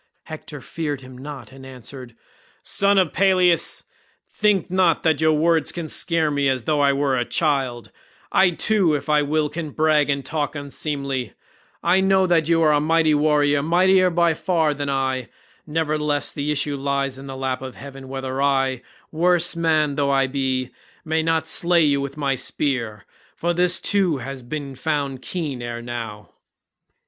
Hector feared him not and answered, "Son of Peleus, think not that your words can scare me as though I were a child; I too if I will can brag and talk unseemly; I know that you are a mighty warrior, mightier by far than I, nevertheless the issue lies in the lap of heaven whether I, worse man though I be, may not slay you with my spear, for this too has been found keen ere now."